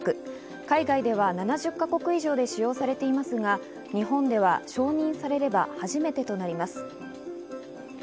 海外では７０か国以上で使用されていますが、日本では承認されれば初めてとなります。